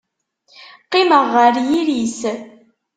Qqimeɣ ɣer yiri-s.